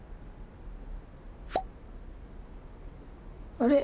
あれ？